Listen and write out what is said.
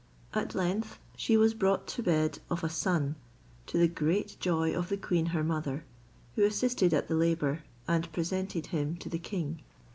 At length she was brought to bed of a son, to the great joy of the queen her mother, who assisted at the labour, and presented him to the king.